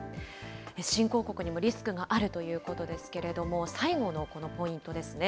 新興国にもリスクがあるということですけれども、最後のこのポイントですね。